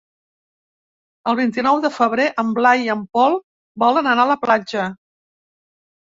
El vint-i-nou de febrer en Blai i en Pol volen anar a la platja.